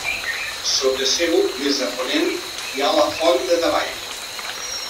Sota seu, més a ponent, hi ha la Font de Davall.